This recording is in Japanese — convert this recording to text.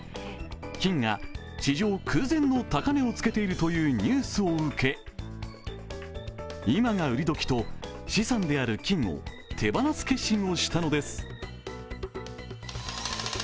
金が史上空前の高値をつけているというニュースを受け今が売り時と、資産である金を手放す決心をしたのです。